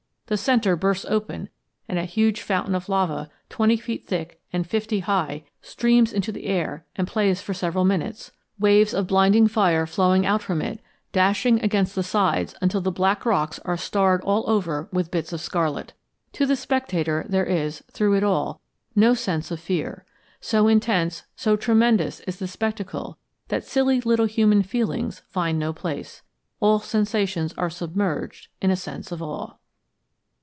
The centre bursts open and a huge fountain of lava twenty feet thick and fifty high, streams into the air and plays for several minutes, waves of blinding fire flowing out from it, dashing against the sides until the black rocks are starred all over with bits of scarlet. To the spectator there is, through it all, no sense of fear. So intense, so tremendous is the spectacle that silly little human feelings find no place. All sensations are submerged in a sense of awe."